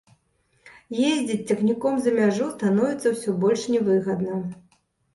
Ездзіць цягніком за мяжу становіцца ўсё больш не выгадна.